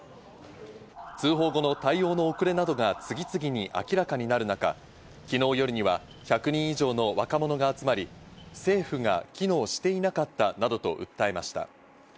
通報後の対応の遅れなどが次々に明らかになる中、昨日夜には１００人以上の若者が集まり、政府が機能していなかったなどと訴えました。